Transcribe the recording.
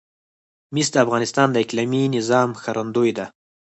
مس د افغانستان د اقلیمي نظام ښکارندوی ده.